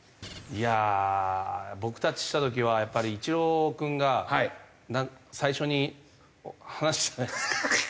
いやあ僕たちした時はやっぱりイチロー君が最初に話してたじゃないですか。